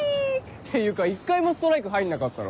っていうか１回もストライク入んなかったろ。